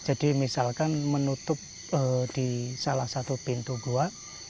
jadi misalkan menutup di salah satu pintu gua